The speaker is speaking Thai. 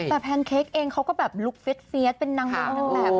แต่แพนเค้กเองเขาก็แบบลูกเฟี๊ดเป็นนางโลกแบบนี้